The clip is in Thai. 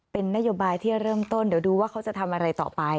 เป็นนโยบายที่เริ่มต้นเดี๋ยวดูว่าเขาจะทำอะไรต่อไป